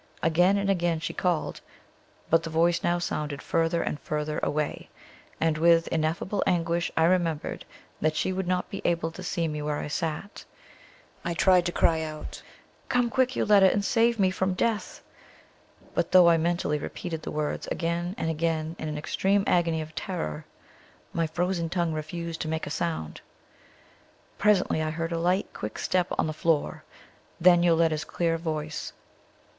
Again and again she called, but the voice now sounded further and further away; and with ineffable anguish I remembered that she would not be able to see me where I sat. I tried to cry out, "Come quick, Yoletta, and save me from death!" but though I mentally repeated the words again and again in an extreme agony of terror, my frozen tongue refused to make a sound. Presently I heard a light, quick step on the floor, then Yoletta's clear voice.